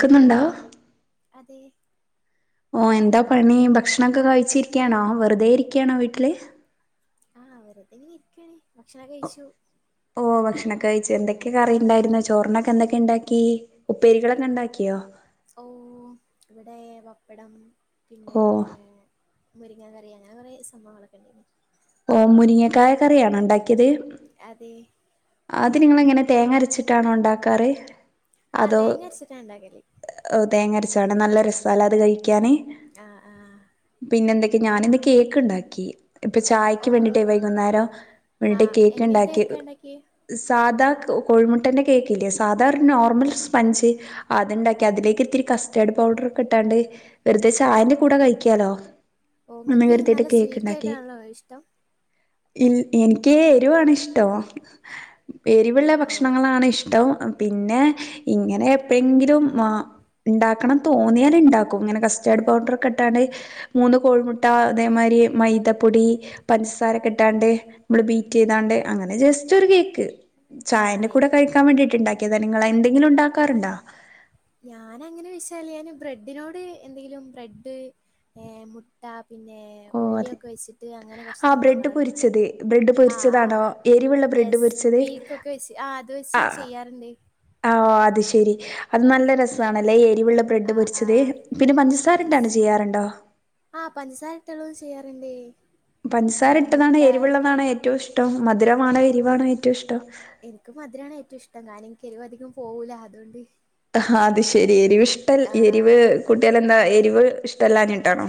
ക്ക്ന്നുണ്ടോ അതെ ഓ എന്താ പണി ഭക്ഷണൊക്കെ കഴിച്ചിരിക്കാണോ വെറുതെ ഇരിക്കാണോ വീട്ടില് ആ വെറുതെ ങ്ങനെരിക്കാണ് ഭക്ഷണം കഴിച്ചു ഓ ഭക്ഷണൊക്കെ കഴിച്ചു എന്തെ ക്കെ കറിണ്ടായിരുന്നു ഏഹ് ചോറിനൊക്കെന്തക്കെണ്ടാ ക്കി ഉപ്പേരികളൊക്കെ ണ്ടാക്ക്യോ? ഓ ഇവടെ പപ്പടം പിന്നേ ഓ മുരിങ്ങ കറി അങ്ങനെ കൊറേ സംഭവങ്ങളൊക്കെ ഇണ്ടേനി ഓ മുരിങ്ങക്കായ കറിയാണോ ഇണ്ടാ അതെ അത് നിങ്ങ എങ്ങനെ തേങ്ങരച്ചിട്ടാണോ ഉണ്ടാക്കാറ് ആ അതോ തേങ്ങ അരച്ചിട്ടാ ഇണ്ടാക്കല് ഓ, തേങ്ങ അരച്ചാണ് നല്ല രസാ ലേ അത് കഴിക്കാൻ ആ ആ പിന്നെ എന്തൊക്കെ ഞാനിന്ന് കേക്ക് ഉണ്ടാക്കി ഇപ്പൊ ചായയ്ക്ക് ഓ വേണ്ടിട്ട് വൈകുന്നേരം വേണ്ടിട്ട് ആഹ് കേക്ക് ഉണ്ടാക്കി എങ്ങനത്തെയൊക്കെ ഉണ്ടാക്കിയേ സാധാ കോഴിമുട്ടന്റെ കേക്കില്ലേ സാധാ ഒരു നോർമൽ സ്പഞ്ച് അത്ണ്ടാക്കി അതിലേക്ക് ഇത്തിരി കസ്റ്റാർഡ് പൗഡർക്കെ ഇട്ടാണ്ട് വെറുതെ ചായന്റെ കൂടെ കഴിക്കാലോ എന്ന് ഓങ്ങക്ക് കരുതിയിട്ട് നല്ല കേക്ക് സ്വീറ്റ് ഉണ്ടാക്കി ആയിട്ടാണല്ലോ ഇഷ്ടം ഇൽ എനിക്ക് എരുവാണ് ഇഷ്ടോ എരിവുള്ള ഓ ഭക്ഷണങ്ങളാണ് ഇഷ്ടം പിന്നെ ഇങ്ങനെ എപ്പോഴെങ്കിലും ഉം ഉണ്ടാക്കണം തോന്നിയാൽ ഉണ്ടാക്കും ഇങ്ങനെ കസ്റ്റേർഡ് പൗഡർക്കെ ഇട്ടാണ്ട് മൂന്നു കോഴിമുട്ട അതേമാരി മൈത പൊടി പഞ്ചസാരക്കെ ഇട്ടാണ്ട് നമ്മൾ ബീറ്റ് ചെയ്താണ്ട് അങ്ങനെ ജസ് റ്റൊരു കേക്ക് ആഹ് ചായന്റെ കൂടെ എനി കഴിക്കാൻ വേണ്ടിട്ട്ണ്ടാക്കി ക്ക്യതാണ് ഇങ്ങള് എന്തെങ്കിലും ഉണ്ടാക്കാറുണ്ടോ ഞാന അങ്ങനെ വിച്ചാല് ഞാൻ ബ്രെഡിനോട് എന്തെങ്കിലും ബ്രെഡ് ഏ മുട്ട പിന്നെ ഓ അതെ ഉള്ളിയൊക്കെ വെച്ചിട്ട് അങ്ങനെ കുറച്ച് ആ ബ്രെഡ് സംഭവങ്ങളൊക്കെയാണ് പൊരിച്ചത് ബ്രെഡ് ആ ആ പൊരിച്ചതാണോ എരിവുള്ള ബ്രെഡ് യെസ് പൊരിച്ചത് മിൽക്കൊക്കെ വെച്ച് ആ അത് വെച്ച് ആ ചെയ്യാറുണ്ട് ആഹ് അത് ശെരി അത് നല്ല രസണല്ലേ എരിവുള്ള ബ്രെഡ് ആഹ് പൊരിച്ചത് ആഹ് പിന്നെ പഞ്ചസാര യെസ് ഇട്ടാണ്ട് ചെയ്യാറുണ്ടോ ഇട്ടിട്ടുള്ളതും ചെയ്യാറണ്ട് പഞ്ചസാര ഇട്ടതാണ് എരിവെള്ളതാണ് ഏറ്റവും ഇഷ് ടം മധുരമാണോ എരിവാണോ ഏറ്റവും ഇഷ്ടം എരിവധികം പോവൂല അതോണ്ട് ഹാ അതുശരി എരിവിഷ്ടൽ എരിവ് ആഹ് കുട്ടിയാലന്താ എ വ് ഇഷ്ട്ടല്ലാഞ്ഞിട്ടാണോ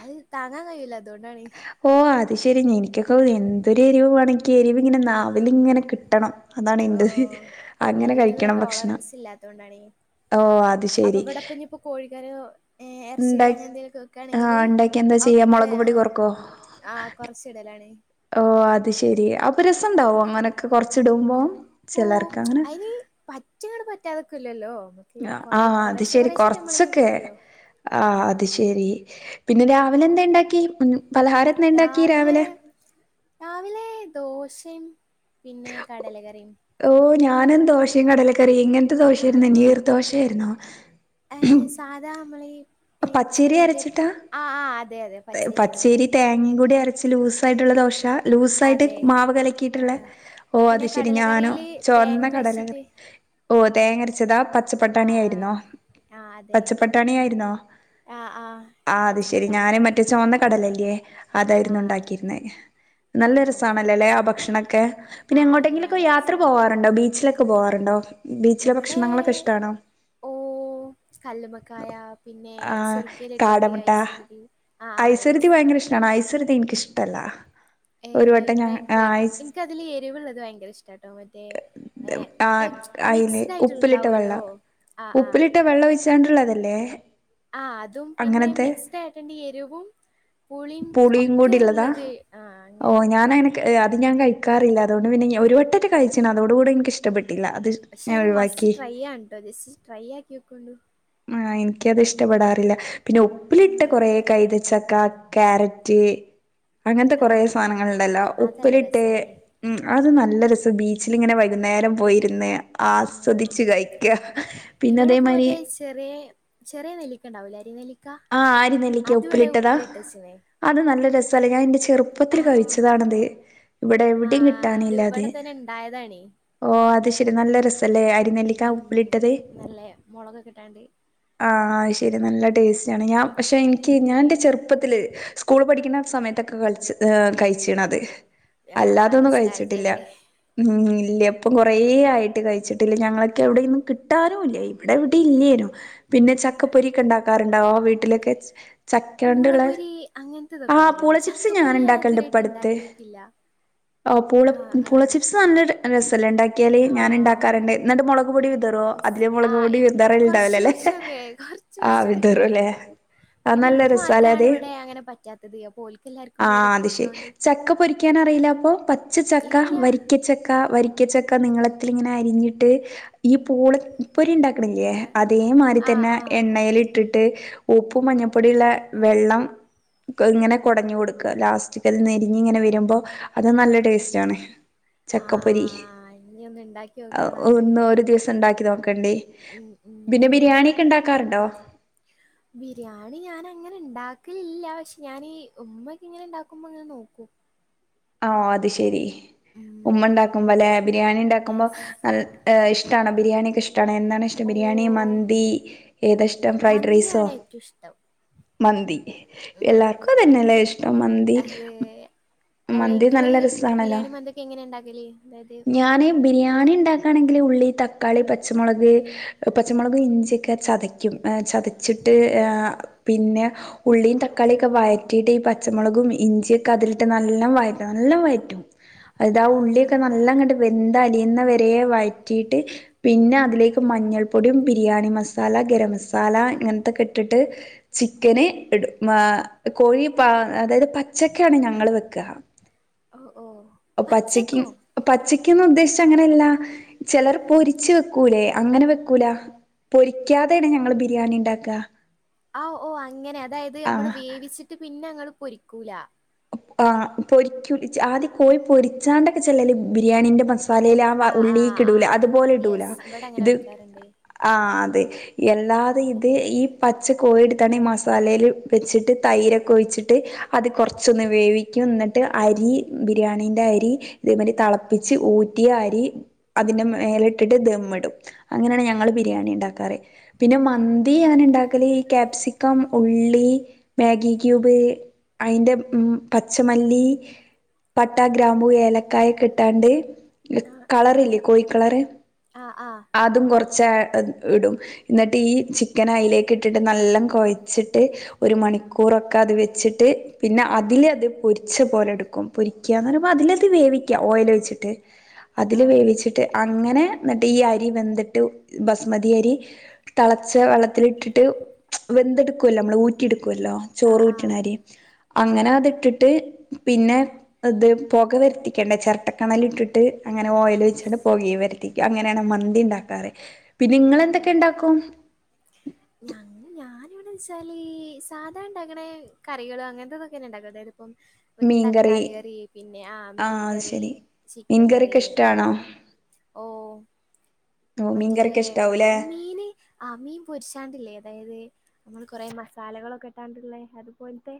അത് താങ്ങാൻ കഴിയൂല ഡോണ്ടാണ് ശരി നിൻക്കൊക്കെന്തൊരു എരിവ് വേണനിക്ക് നാവിലിങ്ങനെ കിട്ടണം അതാണ് എന്റെ ഓഹ് അങ്ങനെ എരിവിനുള്ള കഴിക്കണം ഭക്ഷണം ടോളറൻസ് ഇല്ലാത്തോണ്ടാണ് ഓ അത് ശരി ഏ എറച്ചികറി അങ്ങനെ എന്തെലൊക്കെ വെക്കാണെങ്കിൽ ഇണ്ടാക്കിയ എന്താ ചെയ്യാ ഒക്കെ മൊളക് പൊടി കൊറക്കോ ആ കൊറച്ച്ടലാണ് ഓ അത് ശെരി അപ്പൊ രസണ്ടാവോ ആഹ് അങ്ങനൊക്കെ കൊറച്ടുമ്പോ ഓ ചെലർക്കാങ്ങന ല്ലാതകൂലല്ലോ ആ അത് ശരി കൊർച്ചൊക്കെ കൂട്ടല്ലോ. ആ അത് ആഹ് ശരി പിന്നെ രാവിലെന്തെണ്ടാ കി പലഹാരന്തെണ്ടാക്യ രാവിലെ രാവിലെ ദോശയും പിന്നെ കടല കറിം ഓ ഞാനുംന്തോഷിം കടലക്കറിംയ് ട്ട് ദോശര്ന്നേങ്കി നീർ ആഹ് ദോശേർന്നോ ഏഹ് സാധാ നമ്മളീ ഈ പച്ചേരി മറ്റേ അരച്ചിട്ടാ ആഹ് ആഹ് അതെ അതെ പച്ചരി അരച്ചിട്ട് പച്ചേരി തേങ്ങയും കൂടി അര ച്ച് ലൂസ് ആയിട്ടുള്ള ദോശ ലൂസായിട്ട് അതെ മാവ് ആഹ് കലക്കിയിട്ളേ ആഹ് ഓ അത് പിന്നെ ശരി ഞാനോ കടലക്കറിയില് ചോർന്ന തേങ്ങക്കെ കടലറി അരച്ചിട്ട് ഓ തേങ്ങര [unintelligible] ച്ചപ്പട്ടാണി ആഹ് ആയിരുന്നോ ആഹ് ആഹ് അതെ പച്ചപ്പട്ടാണി ആയിരുന്നോ ആഹ് ആഹ് ആ അത് ശരി പച്ചപ്പട്ടാണി ഞാന് മറ്റേച്ചോ കടലല്ലേ അതായിരുന്നു ആഹ് ഉണ്ടാക്കിയിര്ന്നേ നല്ല ഓഹ് രസാണലല്ലേ ആ ഭക്ഷണൊക്കെ പിന്നെ ആഹ് അതെ എങ്ങോട്ടെങ്കിലൊക്കെ നല്ല യാത്ര പോവാറ്ണ്ടോ ബീച്ച്ലൊക്കെ പോവാറ്ണ്ടോ എവിടെ ഓ കല്ലുമക്കായ പിന്നെ ഏ ആ സുർക്കി ലിട്ടത് കാടമുട്ട ഐസൊരതി അ ആ ഐസുരുതി യെസ് ഭയങ്കര ഇഷ്ടാണ് ഐസുരുതി എനിക്കിഷ്ടല്ല ഏ ഒരു വട്ടം ഞാൻ ആ ന്നഇൻക്കയ് ഐസ് ഇൻക്കതില് എരിവ്ള്ളത് ഭയങ്കര ഇഷ്ടാട്ടോ മറ്റേ ഏ ആ അയില് ഉപ്പിലിട്ട വെള്ളം ആ ആ ഉപ്പിലിട്ട വെള്ളൊയ്ച്ച [unintelligible] ആ അതും പിന്നെ മിക്സ്ഡ് ആയിട്ണ്ട് എരിവും പുളിയും കൂടി ഒക്കെള്ളത് ഉള്ളതാ ആ അങ്ങനെ ഒരുത് ക്കറിയ്ല്ല അതുകൊണ്ട് പിന്നെ ഞാ ഒരു വട്ടൊക്കെ കഴ്ച്ച്ണ് അതോടുകൂടി എനികിഷ്ടപെ പശേ അത് മസ്റ്റ് ട്രൈ ആണ്ട്ടോ ചേച്ചി ട്രൈയക്കി [unintelligible] ആ എനിക്കത് ഇഷ്ടപെടാറില്ല പിന്നെ ആ ഉപ്പിലിട്ട കൊറേ കൈതച്ചക്ക ക്യാരറ്റ് അങ്ങൻത്തെ ആ കൊറേ ആ ആ, സാനങ്ങളുണ്ടല്ലോ അതല്ല ഉപ്പിലിട്ടേ രസാണേ ഉം അത് നല്ല നല്ല രസം ബീച്ചിലിങ്ങനെ വൈകുന്നേരം പോയിര്ന്ന് ആ ആസ്വദിച് കൈക്കാ പിന്നേ ഇവിടെപ്പോ തേമായ്രി മറ്റേ ചെറിയ ചെറിയ നെല്ലിക്കണ്ടാവൂല്ലെ അരി നെല്ലി ആ ആരിനെല്ലിക്ക ഉപ്പിലിട്ടതാ അത് നല്ല രസാ [unintelligible] ഞാ ന്റെച്ച് ആ ചെറുപ്പത്തില് ആ കയിച്ചതാണത് ഇവിടെ ആ എവിടേം അത് കിട്ടാനില്ലത് ഇവിടെ തന്നെ ഇണ്ടായതാണേ ഓ അത് ശെരി നല്ല രെസല്ലേ അരിനെല്ലിക്ക ഉം ഉപ്പിലിട്ടത് നല്ല മുളകൊക്കെ ഇട്ടാണ്ട് ആഹ് ആ ശെരി നല്ല ടേസ് റ്റാണ് ഞാ പഷേ എന്ക്ക് അത് ഞാ എന്റെ ചെറുപ്പത്തില് സ്കൂള് പഠിക്കുന്ന സമയത്തൊക്കെ കളിച്ച് കൈച്ചിണത് ആ ആ അല്ലാതൊന്നും കൈച്ചിട്ടില്ല നൊസ്റ്റാൾജിയല്ലേ ഉം ഇല്യ ഇപ്പം കൊറേ ആയിട്ട് കൈച്ചിട്ടില്ല ഞങ്ങകെവിടേന്നും കിട്ടാനുവില്ല ഇവിടെവിടേം ഇല്ല്യേനു പിന്നെ ആ ചക്കപൊരിയ്ക്കെ ഇണ്ടാക്ക് പറഞ്ഞു ആ വീട്ടിലൊക്കെ വെച് ചക്കയൊണ്ടിളെ പൂളപൊരി അങ്ങനത്തെ ആ ഇതൊക്കെ പൂള ഉണ്ടാക്കലുണ്ട് ചിപ്സ് ചക്കപ്പൊരി ഞാൻ ഞാനിണ്ടാക്കണ്ട് ഇതുവരെയായിട്ട് ഇപ്പടുത് ഉണ്ടാക്കി നോക്കില്ല ആ പൂള് പുളി ചിപ്സ് [unintelligible] അനസ് ല്ലാം ഇണ്ടാക്കിയാല് ആ ഞാനിണ്ടാകാറിണ്ട് എന്നിട്ട് മൊളക് പൊടി വിതറ്വോ ഇസ്- അതില് ആ മൊളകുപൊടി ഇ കുറച്ച് വിതറുണ്ടാവില്ലല്ലെ കുറച്ചൊക്കെ കുറച്ച് ആഹ് കുറച്ചൊക്കെ ഇങ്ങനെ തരും അല്ലേ എഴുതരും ആ പിന്നെ നല്ല ഇൻക്ക് രസാല്ലെ മാത്രാണ് അത് ഇവിടെ അങ്ങനെ പറ്റാത്തത് അപ്പൊ ഓൽക്കെല്ലാർക്കും ആ മേരിയൊക്കെ അത്ശെരി പറ്റ്ണോണ്ട് ചക്ക പൊരിക്കാനറിയില്ലപ്പോ പച്ചച്ചക്ക ഇല്ല വരിക്കച്ചക്ക വരിക്കച്ച ക്കെ നിങ്ങളത്തിലിങ്ങനെ അരിഞ്ഞിട്ട് ഈ പൂള ഉപ്പൊരി ഇണ്ടാ കാണില്ല്യെ ഏഹ് അതേ മാരി ആഹ് തന്നെ ആഹ് എണ്ണേലിട്ട് ട്ട് ഉപ്പും മഞ്ഞപ്പൊടിയ്ള്ള വെള്ളം ക് ഇങ്ങനെ കൊടഞ് കൊട്ക്ക ലാസ്റ്റ് ക് നെരിഞ്ഞിങ്ങനെ വരുമ്പോ അത് നല്ല ടെസ്റ്റാണ്. ആഹ് ചക്കപ്പൊരി ആഹ് ഇനി ഒന്ന് ഇണ്ടാക്കി ആ നോക്കിക്കണം ഒന്ന് അങ്ങനൊക്കെ ഒരു ദിവസിണ്ടാക്കി നോക്കാം [unintelligible] ഉം ഉം പിന്നെ ബിരിയാണിയ്ക്കെ ഇണ്ടാക്കാറുണ്ടോ ബിരിയാണി ഞാനങ്ങനെ ഇണ്ടാക്കലില്ല പക്ഷെ ഞാനീ ഉമ്മയ്ക്കിങ്ങനെ ഇണ്ടാക്കുമ്പോ ഇങ്ങനെ നോക്കും. ആ അത് ശെരി ഉമ്മ ഉം ഉണ്ടാക്കുബല്ലെ ബിരിയാണി ഇണ്ടാക്കുമ്പോ യെസ് നല്ല ഇഷ്ടാണ് ബിരിയാണി [unintelligible] ട്ടാണ് എന്താണ് ഇഷ്ടം ബിരിയാണി ഓഹ് മന്തി ഏതാ ഇഷ്ടം ഫ്രൈഡ്രൈസോ മന്തിയാണ് ഏറ്റവും ഇഷ്ടം മന്തി ഉം എല്ലാർക്കും അതെന്നെല്ലെ ഇഷ്ടം മന്തി അത് അല്ല മന്തി ഇങ്ങള് നല്ല രസാണല്ലോ ബിരിയാണിം മന്തിക്കെ എങ്ങനെ ഇണ്ടാക്കല് അതായത് ഞാന് ബിരിയാണി ഇണ്ടാക്കാണെങ്കില് ഉള്ളി, തക്കാളി, പച്ചമോളക്, പച്ചമോളകും, ഇഞ്ചിയൊക്കെ ചതയ്ക്കും ഏ ചതച്ച്ട്ട് ഏ പിന്നെ ഉള്ളിയും, തക്കാളിക്കെ വയറ്റിട്ട് ഈ പച്ചമോളകും ഇഞ്ചിക്കെ അതിൽ നല്ലോം വയറ്റണം നല്ലോം വയറ്റും അത് ആ ആഹ് ഉള്ളിയൊക്കെ ആഹ് നല്ലാം വെന്ത് ദ് അലിയ്ന്ന വരെ വയറ്റിട്ട് പിന്നെ അതിലേക്ക് മഞ്ഞൾ പൊടിം, ബിരിയാണി മസാല, ഗരം മസാല ഇങ്ങൻത്തോ ഇട്ട്ട്ട് ചിക്കന് ഇടും ഏ കോഴി പാ അതായത് പച്ചക്കാണ് ഞാ ങ്ങള് വെക്ക ഓഹ് ഓഹ് പച്ചക്കും പച്ചക്കോ പച്ച ക്കെന്ന് ഉദ്ദേശിച്ച അങ്ങനെല്ല ചെലർ ഉം പൊരിച്ച് വെക്കൂലേ അങ്ങനെ വെക്കൂല പൊരിക്കാതെണ് ഞങ്ങള് ബിരിയാണി ഇണ്ടാക്ക ആഹ് ഓ അങ്ങനെ അതായത് നമ്മള് വേവിച്ചിട്ട് പിന്നെ ങ്ങള് പൊരിക്കൂല ആഹ് പൊരിക്കൂല് ച്ച് ആദ്യ കോയി പൊരിച്ചാണ്ടൊക്കെ ചെലര് ബിരിയാണീന്റെ മസ് സാലേല് ആ വ ഉള്ളിക്കിടൂല്ല അതുപോലെ ഇടൂല യെസ് ഇവിടെ അങ്ങനെ ഇത് വെക്കാറുണ്ട് ആ അതെ എല്ലാതെ ഇത് ഓക്കെ ഈ പച്ച കോഴിയ്യെടുത്താണ്ട് ഈ മസാലേല് വെച്ചിട്ട് തൈരൊക്കെ ഒഴിച്ചിട്ട് അത് കൊർ ച്ചൊന്ന് വേവിക്കും എന്നിട്ട് അരി ബിരിയാണിന്റെ അരി ഇതേമാരി തളപ്പിച്ച് ഊറ്റിയ അരി അതിന്റെ മേലേ ഇട്ടിട്ട് ധം ഇടും അങ്ങനെണ് ഞങ്ങള് ബിരിയാണി ഇണ്ടാക്കാറ് പിന്നെ മൻ തി എങ്ങനെ ഇണ്ടാക്കല് ഈ ക്യാപ്സിക്കം ഉള്ളി മ്യാ ഗി ക്യൂബ് അയിൻ്റെ ഉം പച് ട്ട ഗ്രാമ്പു ഏലക്കായക്ക്ട്ടാണ്ട് ആ കളറില്ലേ കോഴി കളറ് ആ ആ ആ അതും കൊറ ച്ച് അം ഇടും എന്നിട്ട് ഈ ചിക്കനയിലേകിട്ടിട്ട് നല്ലം കൊയച്ചിട്ട് ഒരു മണിക്കൂറോക്കെ അത് വെച്ചിട്ട് പിന്നെ അതിലത് പൊരിച്ച പോലെ എടുക്കും പൊരിക്ക്യന്ന് പറയുമ്പ അതിലത് വേവിക്ക്യ ഓയിലൊയിച്ചിട്ട്- അതില് വേവിച്ചിട്ട് അ അങ്ങനെ എന്നിട്ട് ഈ അരി വെന്തിട്ട് ബസ്മതി അരി തെളച്ച വെളളത്തിലിട്ടിട്ട് വെന്തേടുക്കുമല്ലോ നമ്മള് ഊറ്റി എടു ക്കുല്ലോ ആ ആ ചോറ് ആ ഉറ്റണ അരി. അങ്ങനെ അതിട്ടിട്ട് പിന്നെ ഇത് പോക വരുത്തിക്കണ്ടെ ചെരട്ടക്കനലിട്ടിട്ട്. അങ്ങനെ ഓയില് യെസ് വെച്ചണ്ട് പോകയും വരെ ക്ക് അങ്ങനെയാണ് മന്തി ഇണ്ടാക്കാറ്. പിന്നെ ഇങ്ങളെന്തെക്കെ ഇണ്ടാക്കും? ഞങ്ങ് ഞാനിവിടെ വെച്ചാല് സാധ ഉണ്ടാക്കുന്ന കറികള് അങ്ങനത്തെതൊക്കെ ഞാൻ ഉണ്ടാക്കും അതായത് അപ്പം നമ്മക്കീ മീൻകറി തക്കാളി കറി പിന്നെ ആഹ് മീൻ അത് കറി ശരി ചിക്കൻ കറി മീൻകറിയൊക്കെ അങ്ങനെ ഇഷ്ടാണോ ഓ ഓ മറ്റേ മീൻകറിയൊക്കെ ഇഷ്ടാവൂല്ലേ മീന് ആ മീൻ പൊരിച്ചാണ്ടില്ലേ അതായത് നമ്മള് കൊറേ മസാലകളൊക്കെ ഇട്ടാണ്ടുള്ളേ അത് പോല്ത്തെ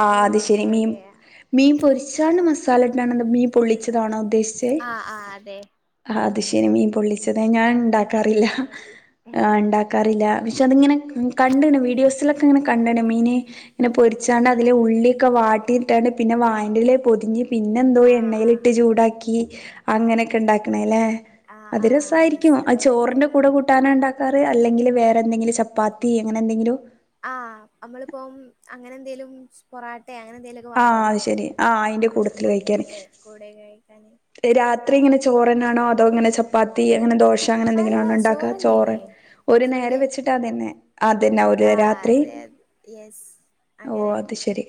ആ അത് ശരി മീൻ മീൻ പൊരിച്ചാണ്ട് മസാല [unintelligible] മീൻ പൊള്ളിച്ച താണോ ഉദ്ദേശിച്ചേ ആഹ് ആഹ് അതെ ആ അത് ശരി മീൻ പൊള്ളിച്ചത് ഞാൻ ഉണ്ടാക്കാറില്ല ആ ഏഹ് ഉണ്ടാക്കാറില്ല പക്ഷെ അതിങ്ങനെ കണ്ടണ് വീഡിയോസിലൊക്കെ ഇങ്ങനെ കണ്ടണ് മീന് ഇങ്ങനെ പൊരിച്ചാണ്ട് അതില് ഉള്ളിയൊക്കെ വാട്ടിയിട്ടാണ്ട് പിന്നെ വായൻ്റിതില് പൊതിഞ്ഞ് പിന്നെ എന്തോ ആഹ് ആഹ് എണ്ണയിലിട്ട് ചൂടാക്കി. അങ്ങനെയൊക്കെ ഉണ്ടാക്കി. ആണല്ലേ ആഹ് അത് ആഹ് യെസ് രസമായിയിരിക്കുമോ ആ അതുപോലത്തെ ചോറിന്റെ കൂടെ കൂട്ടാന ഉണ്ടാക്ക [unintelligible] അല്ലെങ്കിൽ വേറെ എന്തെങ്കിലും ചപ്പാത്തി അങ്ങനെ എന്തെങ്കിലും ആ നമ്മളിപ്പം അങ്ങനെ എന്തേലും പൊറ മട്ടെ അങ്ങനെ എന്തേലുമൊക്കെ ആഹ് വാങ്ങല്ലോ അത് ശരി ആഹ് ആ അയിന്റെ കൂട്ടത്തില് കഴിക്കാന് അങ്ങനത്തെ കൂടെ കഴിക്കാന രാത്രി ഇങ്ങനെ ചോറനാണോ അതോ അങ്ങനെ ചപ്പാത്തി അങ്ങനെ അങ്ങനെ ന്തെകിലം അല്ല ആണോ ഉണ്ടാകുക ചോറു ചോറന്നെയാണ് ഒരു നേരം ഫുള്ള് വെച്ചിട്ട് തുതന്നെ അത് തന്നെ ആഹ് രാത്രി അതെ യെസ് ഓ അങ്ങനെ അത് ശരി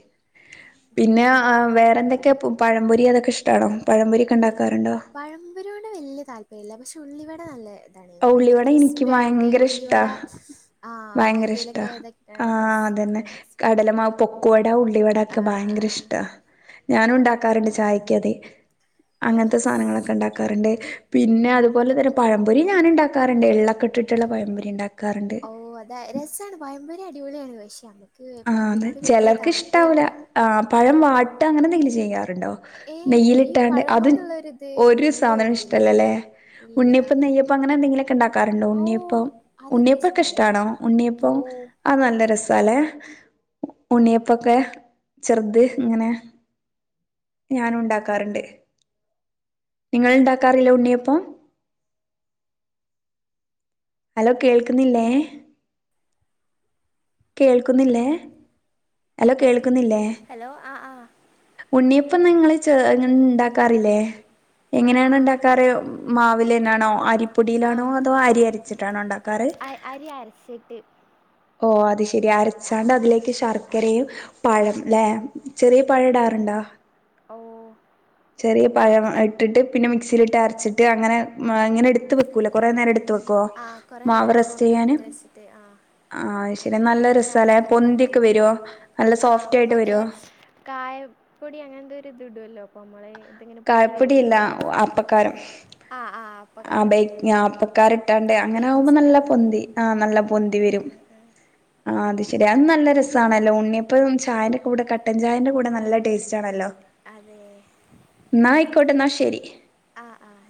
പിന്നെ ആ വേറെ എന്തൊക്കെയാ [unintelligible] പമ്പൊരി അതൊ ഇഷ്ടണോ പഴ്മ്പൊരി കണ്ട പഴമ്പരോടെ വല്യ താല്പര്യമില്ല പക്ഷെ ഉള്ളിവട നല്ലേ ഉള്ളിവട എനിക്ക് ഭയങ്കര ഇഷ്ടാ ആ ഭയങ്കര ഇഷ്ടാ മൈദയിലൊക്കെ ആ അതന്നെ കടലമാ പൊക്കുവട ഉള്ളിവട ഒക്കെ ഭയങ്കര ഇഷ്ടാ ഞാന ഉണ്ടാക്കാറുണ്ട് ചായക്കദേ അങ്ങനത്തെ സാധനങ്ങളൊക്കെ ഉണ്ടാക്കാറുണ്ട് പിന്നെ അതുപോലെ തന്നെ പഴംപൊരി ഞാൻ ഉണ്ടാക്കാറുണ്ട് എള്ള ട്ടിട്ടുള്ള പയംപൊരി ഉണ്ടാക്കാറുണ്ട് ടിപൊളിയാണ് പക്ഷേ ആ അതെ ചിലർക്ക് ഇഷ്ടാവൂല ആ പഴം വാട്ട് അങ്ങനെ എന്തെങ്കിലും ചെയ്യാറ് ഏ [unintelligible] നെയ്യിൽ ഈ ഇട്ടാണ്ട് പഴം അതും കൊണ്ടുള്ള ഒരു ഇത് ഒരു തീരെ സാധന ഒരു ഇതില്ല ഇഷ്ടല്ലല്ല ഇല്ല ഉണ്ണിഅപ്പം നെയപ്പം അങ്ങന എന്തേ ണ്ടാക്ക ക്കാറണ്ട് ഓ ഉണ്ണിയപ്പം അതൊക്കെ ഉണ്ണിയപ്പ ഒക്കെ ഇഷ്ടാണേ ഇഷ്ടമാണോ ഉണ്ണിയപ്പ ഓ ആ നല്ല രസല്ലേ ഉണ്ണിയപ്പൊക്കെ ചെറുത് ഇങ്ങനെ ഞൻ ഉണ്ടാക്കാറുണ്ട് നിങ്ങൾ ഉണ്ടാക്കാറില്ല ഉണ്ണിയപ്പം ഹലോ കേൾക്കുന്നില്ലേ കേൾക്കുന്നില്ലേ ഹലോ കേൾ ഹലോ ആ ആ ഉണ്ണിയപ്പൊ നിങ്ങള് ഇണ്ടാക്കാറില്ലേ ആ എങ്ങനെയാണ് ഉണ്ടാക്കാറ് മാ [unintelligible] ണോ ആ, പ്പൊടിയിലാണോ അതോ അരി അരച്ചിട്ടാണോ ഉണ്ടാക്കാറ് അ- അരി അരച്ചിട്ട് ഓ അത ശരി ആ അരച്ചാണ്ട് അതിലേക്ക് ഷർ് ക്കറ ഉം അരച്ചിട്ട് പഴംല്ലേ ചെറിയ ഏ പഴടാറുണ്ടാ ഓ ചെറിയ പഴം ഇട്ടിട്ട് പിന്നെ മിക്സിയിലിട്ട് അരച്ചിട്ട് അങ്ങനെ ഇങ്ങനെ എടുത്ത് വെക്കില്ലേ കുറെേ നേരം എടുത്ത് വയ്ക്കും. ആ കുറേ മാവ് നേരം റസ്റ്റ് ചെയ്യാന് പുറത്തെടുത്ത് വെച്ചിട്ട് ആ ആഹ ശരി അങ്ങനെ നല്ല രസല്ലേ പൊന്തിക്കെ വരുവോ ആഹ മറ്റേ കായപ്പൊടി അങ്ങനന്തോ ഒരു ഇത് ഇടുവല്ലോ അപ്പ നമ്മള് ഇതിങ്ങനെ പൊന്നി വരുമല്ലോ കായപ്പൊടിയല്ല അപ്പക്കാരം ആ ആഹ അപകാരം പണ്ട് അങ്ങനെ ആകുമ്പോ നല്ല പൊന്തി ആ നല്ല പൊന്തി ആ വരും ആ ആ ആ ആ അത് ശരി അത് നല്ല രസമാണല്ലോ ആ ഉണ്ണിയപ്പം ചായൻ്റെ കൂടെ കട്ടൻ ചായേൻ്റെ കൂടെ നല്ല ടേസ്റ്റ് ആണല്ലോ അതെ എന്നാ ആയിക്കോട്ടെ എന്നാശരി ആഹ ആഹ